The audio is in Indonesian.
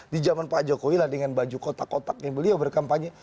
di zaman pak jokowi lah dengan baju kotak kotaknya beliau berkampanye